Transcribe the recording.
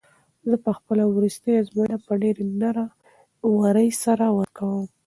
زه به خپله وروستۍ ازموینه په ډېرې نره ورۍ سره ورکوم.